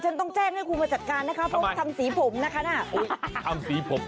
ฉันต้องแจ้งให้ครูมาจัดการนะคะเพราะว่าทำสีผมนะคะน่ะทำสีผม